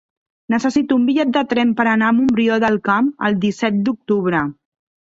Necessito un bitllet de tren per anar a Montbrió del Camp el disset d'octubre.